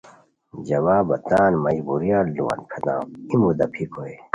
جوابہ تان مجبوریان لووان پھریتام ای مودا پھیک ہوئے